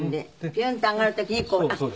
ピューンって上がる時にこう。